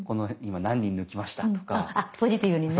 ポジティブにね。